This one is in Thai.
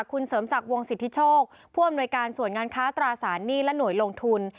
คุณเสริมศักดิ์วงสิทธิโชคผู้อำนวยการส่วนงานค้าตราสารหนี้และหน่วยลงทุน